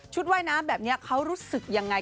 ว่ายน้ำแบบนี้เขารู้สึกยังไง